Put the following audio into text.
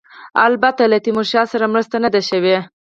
البته له تیمورشاه سره مرسته نه ده شوې.